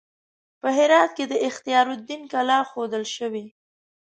په هرات کې د اختیار الدین کلا ښودل شوې.